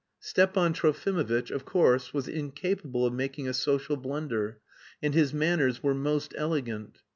Stepan Trofimovitch of course was incapable of making a social blunder, and his manners were most elegant.